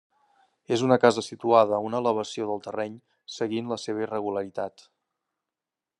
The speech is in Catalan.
És una casa situada a una elevació del terreny, seguint la seva irregularitat.